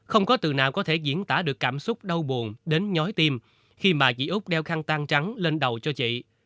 không có từ nào có thể diễn tả được cảm xúc đau buồn đến nhói tim khi mà chị úc đeo khăn tan trắng lên đầu cho chị